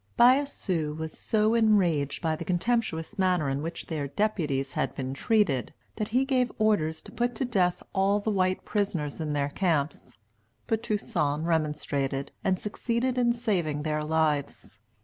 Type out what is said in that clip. Biassou was so enraged by the contemptuous manner in which their deputies had been treated, that he gave orders to put to death all the white prisoners in their camps. But Toussaint remonstrated, and succeeded in saving their lives.